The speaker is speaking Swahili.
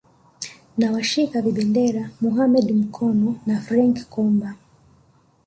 na washika vibendera Mohamed Mkono na Frank Komba